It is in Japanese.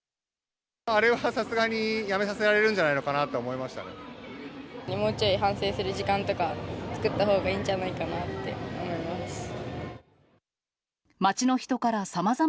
あれはさすがに辞めさせられもうちょい反省する時間とか、作ったほうがいいんじゃないかなって思います。